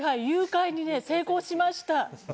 誘拐にね成功しました。